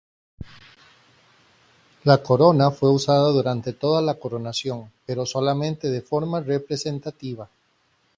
La corona fue usada durante toda la coronación, pero solamente de forma representativa.